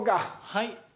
はい。